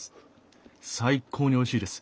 最高においしいです。